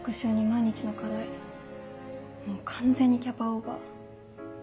もう完全にキャパオーバー。